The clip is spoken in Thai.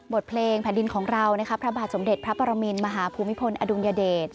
เพลงแผ่นดินของเรานะครับพระบาทสมเด็จพระปรมินมหาภูมิพลอดุลยเดช